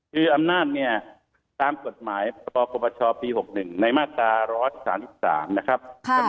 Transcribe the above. คืออำนาจเนี่ยตามกฎหมายปปชปี๖๑ในมาตรา๑๓๓นะครับ